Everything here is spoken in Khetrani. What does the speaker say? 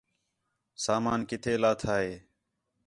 سامان کِتے لاتھا ہے